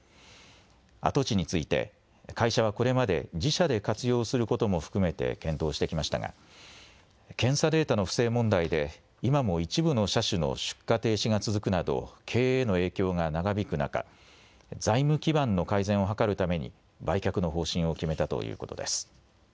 跡地について会社はこれまで自社で活用することも含めて検討してきましたが検査データの不正問題で今も一部の車種の出荷停止が続くなど経営への影響が長引く中、財務基盤の改善を図るために売却の方針を決めたということです。